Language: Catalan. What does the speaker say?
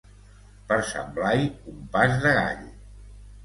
Per Sant Blai, un pas de gall.